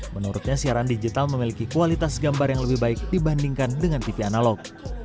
menurutnya siaran digital memiliki kualitas gambar yang lebih baik dibandingkan dengan tv analog